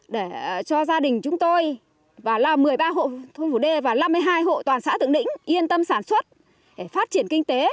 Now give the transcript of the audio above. để cho gia đình chúng tôi và một mươi ba hộ thôn phủ đê và năm mươi hai hộ toàn xã thượng lĩnh yên tâm sản xuất để phát triển kinh tế